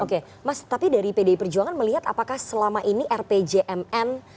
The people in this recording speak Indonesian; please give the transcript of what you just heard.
oke mas tapi dari pdi perjuangan melihat apakah selama ini rpjmn